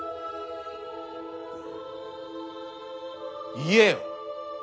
言えよ！